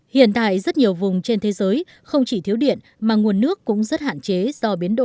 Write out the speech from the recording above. hiện tại rất nhiều vùng trên thế giới không chỉ thiếu điện mà nguồn nước cũng rất hạn chế